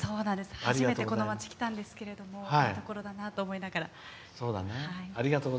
初めてこの町に来たんですけれどもいいところだなと思いながら。